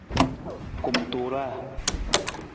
Kumtuuraa.